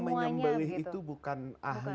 atau yang menyembeli itu bukan ahlinya